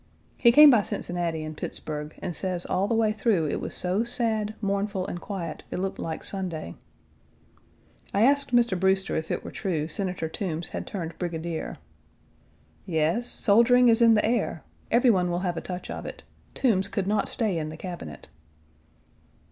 He came by Cincinnati and Pittsburg and says all the way through it was so sad, mournful, and quiet it looked like Sunday. I asked Mr. Brewster if it were true Senator Toombs had turned brigadier. "Yes, soldiering is in the air. Every one will have a touch of it. Toombs could not stay in the Cabinet."